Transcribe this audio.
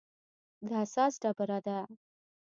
د اساس ډبره ده.